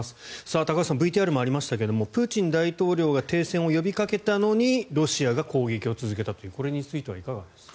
高橋さんＶＴＲにもありましたがプーチン大統領が停戦を呼びかけたのにロシアが攻撃を続けたというこれについてはいかがですか？